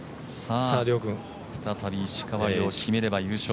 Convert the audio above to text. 再び石川遼決めれば優勝。